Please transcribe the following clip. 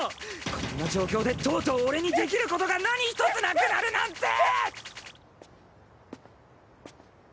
こんな状況でとうとう俺にできることが何一つなくなるなんて！